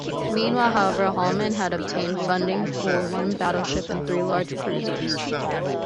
Meanwhile, however, Hollmann had obtained funding for one battleship and three large cruisers.